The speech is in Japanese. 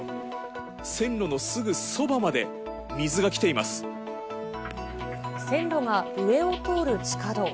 線路のすぐそばまで水が来て線路が上を通る地下道。